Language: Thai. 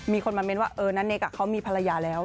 มีคนมาเม้นต์ว่าเออนาเนกอะเขามีภรรยาแล้ว